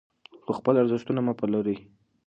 خو خپل ارزښتونه مه پلورئ.